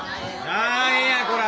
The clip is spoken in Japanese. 何やこら！